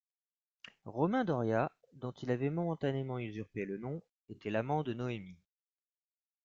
Romain Doria, dont il avait momentanément usurpé le nom, était l'amant de Noémie.